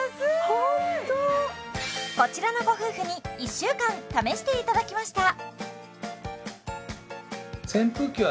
ホント安ーいこちらのご夫婦に１週間試していただきました